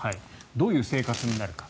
どういう生活になるか。